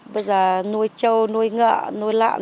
bây giờ nuôi trâu nuôi ngựa nuôi lạng